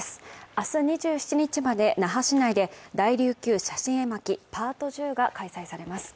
明日２７日まで那覇市内で「大琉球写真絵巻ＰＡＲＴ１０」が開催されます。